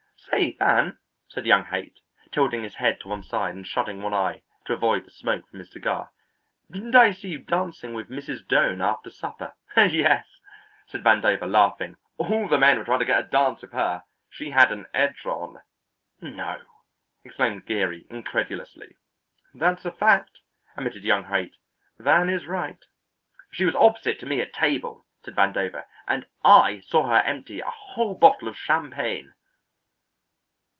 "Say, Van," said young Haight, tilting his head to one side and shutting one eye to avoid the smoke from his cigar, "say, didn't I see you dancing with Mrs. Doane after supper?" "Yes," said Vandover laughing; "all the men were trying to get a dance with her. She had an edge on." "No?" exclaimed Geary, incredulously. "That's a fact," admitted young Haight. "Van is right." "She was opposite to me at table," said Vandover, "and I saw her empty a whole bottle of champagne."